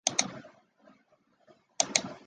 火地群岛灯塔只有西面一扇门提供人员进入。